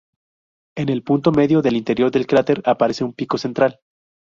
En el punto medio del interior del cráter aparece un pico central.